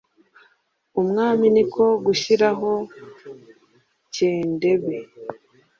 umwami ni ko gushyiraho kendebe